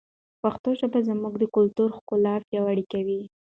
پښتو ژبه زموږ د کلتور ښکلا پیاوړې کوي.